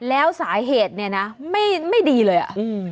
แล้วสาเหตุไม่ดีเลย